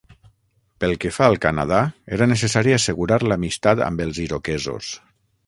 Pel que fa al Canadà, era necessari assegurar l'amistat amb els iroquesos.